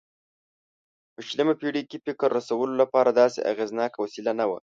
په شلمه پېړۍ کې د فکر رسولو لپاره داسې اغېزناکه وسیله نه وه.